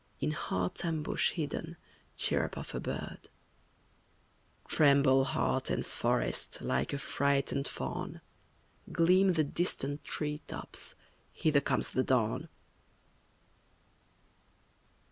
In heart ambush hidden Chirrup of a bird; Tremble heart and forest Like a frightened fawn, Gleam the distant tree tops, Hither comes the dawn!